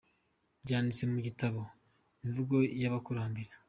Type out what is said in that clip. Byanditse mu gitabo : Imvugo y’Abakurambere.